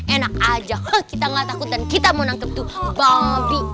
enak aja kita gak takut dan kita mau nangkep tuh babi